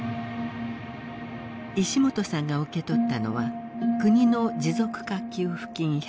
石本さんが受け取ったのは国の持続化給付金１００万円。